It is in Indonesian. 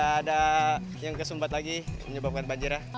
agar tidak ada yang kesumpat lagi menyebabkan banjir ya